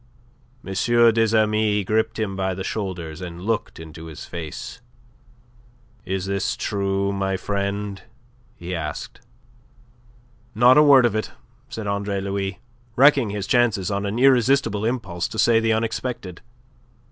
M. des Amis gripped him by the shoulders, and looked into his face. "Is this true, my friend?" he asked. "Not a word of it," said Andre Louis, wrecking his chances on an irresistible impulse to say the unexpected.